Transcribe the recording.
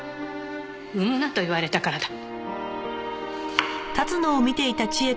産むなと言われたからだ。